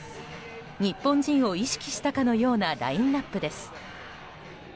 日本人を意識したかのようなラインアップです。